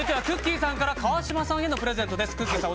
さんから川島さんへのプレゼントです。